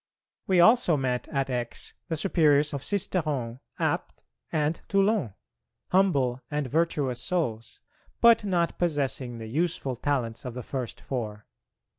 We also met at Aix the Superiors of Sisteron, Apt, and Toulon, humble and virtuous souls, but not possessing the useful talents of the first four.